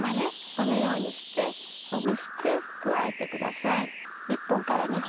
このようにしてほぐして加えてください。